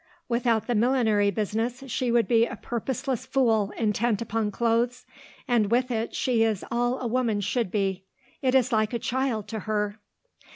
Without the millinery business she would be a purposeless fool intent upon clothes and with it she is all a woman should be. It is like a child to her."